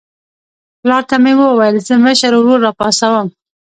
پلار ته مې وویل زه مشر ورور راپاڅوم.